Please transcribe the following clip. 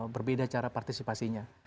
berbeda cara partisipasinya